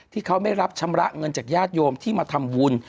ที่เขาไม่รับชำระเงินจากญาติโยมที่มาทำบุญ